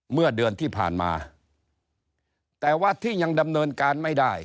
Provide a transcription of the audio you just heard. เมื่อเดือนที่ผ่านมาแต่ว่าที่ยังดำเนินการไม่ได้